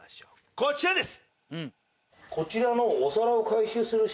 こちらです。